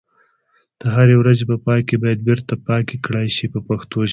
د هرې ورځې په پای کې باید بیرته پاکي کړای شي په پښتو ژبه.